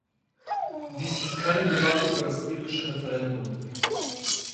Dies ist keine Debatte über das irische Referendum.